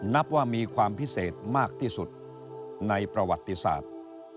นับว่ามีความพิเศษมากที่สุดในประวัติศาสตร์